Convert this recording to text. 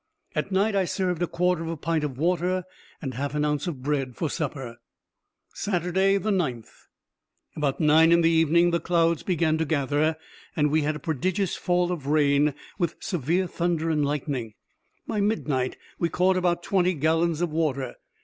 At night I served a quarter of a pint of water and half an ounce of bread for supper. [Footnote 1: It weighed 272 grains.] Saturday, 9th.—About nine in the evening the clouds began to gather, and we had a prodigious fall of rain, with severe thunder and lightning. By midnight we caught about twenty gallons of water.